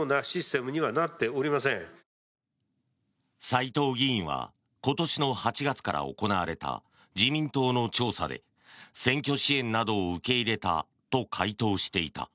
斎藤議員は今年の８月から行われた自民党の調査で選挙支援などを受け入れたと回答していた。